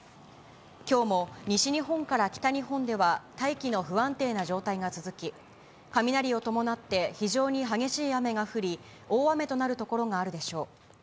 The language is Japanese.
きょうも西日本から北日本では大気の不安定な状態が続き、雷を伴って非常に激しい雨が降り、大雨となる所があるでしょう。